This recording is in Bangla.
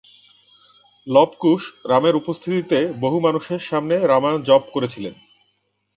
লব-কুশ, রামের উপস্থিতিতে বহু মানুষের সামনে রামায়ণ জপ করেছিলেন।